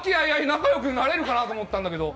仲良くなれるかなと思ったんだけど。